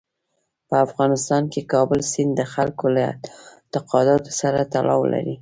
په افغانستان کې کابل سیند د خلکو له اعتقاداتو سره تړاو لري.